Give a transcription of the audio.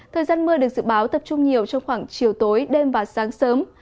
thời gian mưa được dự báo tập trung nhiều trong khoảng chiều tối đêm và sáng sớm